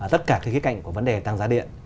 tất cả cái khía cạnh của vấn đề tăng giá điện